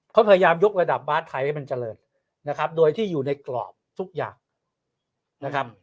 เขาพยายามยกระดับบาทไทยให้มันเจริญนะครับโดยที่อยู่ในกรอบทุกอย่างนะครับ